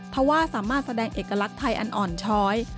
ถ้าว่าสามารถแสดงเอกลักษณ์ไทยอันอ่อนช้อย